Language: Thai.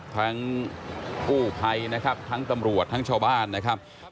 ทั้งกู้ภัยนะครับทั้งตำรวจทั้งชาวบ้านนะครับ